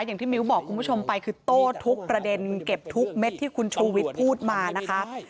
อย่างที่มิ้วบอกคุณผู้ชมไปคือโต้ทุกประเด็นเก็บทุกเม็ดที่คุณชูวิทย์พูดมานะคะ